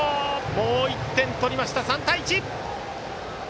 もう１点取りました、３対１。